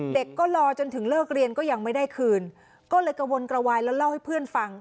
เด็กก็รอจนถึงเลิกเรียนก็ยังไม่ได้คืนก็เลยกระวนกระวายแล้วเล่าให้เพื่อนฟัง